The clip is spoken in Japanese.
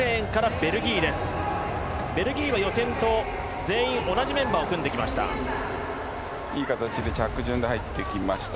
ベルギーは予選と同じメンバーを組んできました。